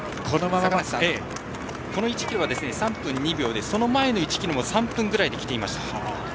この１ｋｍは３分２秒でその前の１ｋｍも３分くらいで来ていました。